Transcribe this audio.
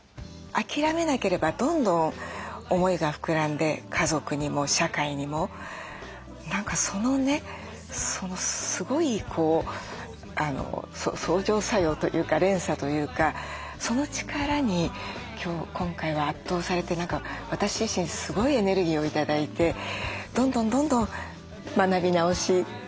諦めなければどんどん思いが膨らんで家族にも社会にも何かそのねすごい相乗作用というか連鎖というかその力に今回は圧倒されて私自身すごいエネルギーを頂いてどんどんどんどん学び直していきたいなと。